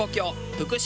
福島